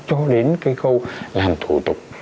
cho đến cái khâu làm thủ tục